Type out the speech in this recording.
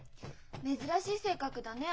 珍しい性格だね。